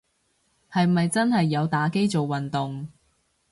係咪真係有打機做運動